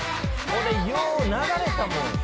「これよう流れたもん」